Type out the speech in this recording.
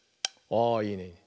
あいいね。